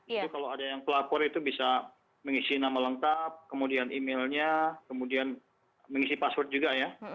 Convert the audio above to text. itu kalau ada yang pelapor itu bisa mengisi nama lengkap kemudian emailnya kemudian mengisi password juga ya